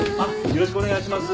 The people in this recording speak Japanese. よろしくお願いします。